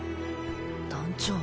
団長。